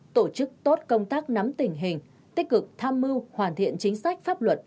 tổ chức tốt công tác nắm tình hình tích cực tham mưu hoàn thiện chính sách pháp luật